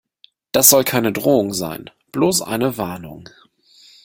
Das soll keine Drohung sein, bloß eine Warnung.